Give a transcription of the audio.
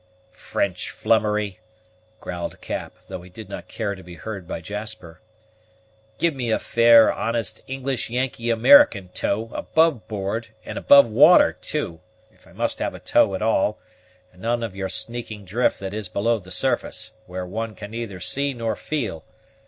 "French flummery!" growled Cap, though he did not care to be heard by Jasper. "Give me a fair, honest, English Yankee American tow, above board, and above water too, if I must have a tow at all, and none of your sneaking drift that is below the surface, where one can neither see nor feel.